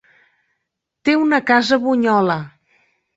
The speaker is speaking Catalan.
Té una casa a Bunyola.